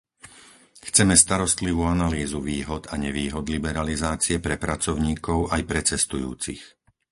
Chceme starostlivú analýzu výhod a nevýhod liberalizácie pre pracovníkov aj pre cestujúcich.